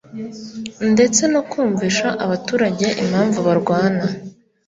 ndetse no kumvisha abaturage impamvu barwana